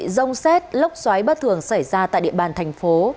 rông xét lốc xoáy bất thường xảy ra tại địa bàn thành phố